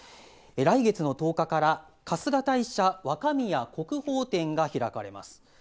来月の１０日から「春日大社若宮国宝展」が開かれます。